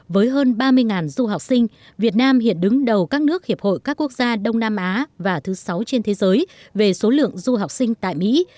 với hơn ba mươi du học sinh việt nam hiện đứng đầu các nước hiệp hội các quốc gia đông nam á và thứ sáu trên thế giới về số lượng du học sinh tại mỹ